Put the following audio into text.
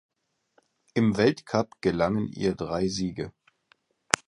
Im Weltcup gelangen ihr drei Siege.